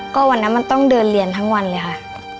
ก็วันนั้นมันต้องเดินเรียนทั้งวันเลยค่ะ